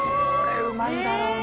海うまいだろうね。